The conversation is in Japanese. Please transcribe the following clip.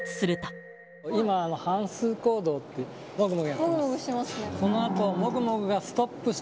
今、反すう行動っていって、もぐもぐやってます。